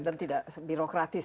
dan tidak birokratis